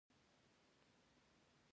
دوی باید دا نیمګړې پروژه سر ته ورسوي.